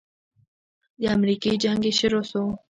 د امريکې جنگ چې شروع سو.